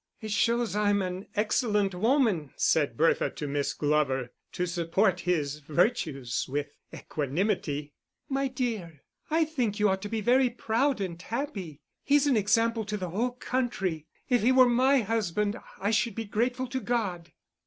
"It shows I'm an excellent woman," said Bertha to Miss Glover, "to support his virtues with equanimity." "My dear, I think you ought to be very proud and happy. He's an example to the whole county. If he were my husband, I should be grateful to God."